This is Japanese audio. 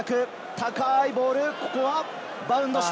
高いボール。